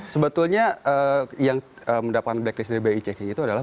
sebetulnya yang mendapatkan blacklist dari bi cki itu adalah